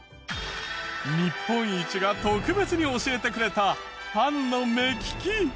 日本一が特別に教えてくれたパンの目利き。